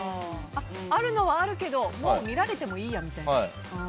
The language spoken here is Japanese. あるのはあるけどもう、見られてもいいやみたいな。